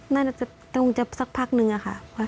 น่าจะตรงจะสักพักนึงอะค่ะ